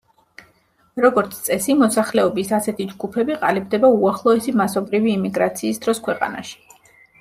როგორც წესი, მოსახლეობის ასეთი ჯგუფები ყალიბდება უახლოესი მასობრივი იმიგრაციის დროს ქვეყანაში.